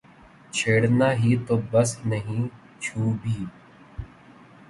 چھیڑنا ہی تو بس نہیں چھو بھی